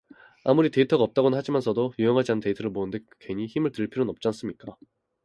아무리 데이터가 없다고는 하지만서도 유용하지 않은 데이터를 모으는 데 괜히 힘을 들일 필요는 없잖습니까.